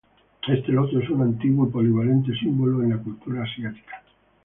Este loto es un antiguo y polivalente símbolo en la cultura asiática.